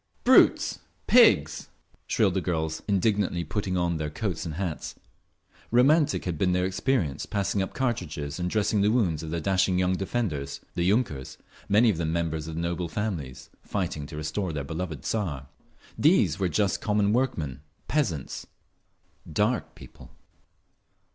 "Brutes! Pigs!" shrilled the girls, indignantly putting on their coats and hats. Romantic had been their experience passing up cartridges and dressing the wounds of their dashing young defenders, the yunkers, many of them members of noble families, fighting to restore their beloved Tsar! These were just common workmen, peasants, "Dark People."